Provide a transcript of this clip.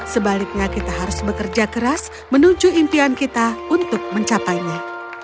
sebaliknya kita harus bekerja keras menuju impian kita untuk mencapainya